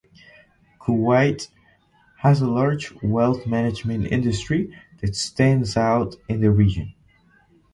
Kuwait has a large wealth-management industry that stands out in the region.